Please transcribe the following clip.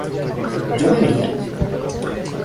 ¿yo bebería?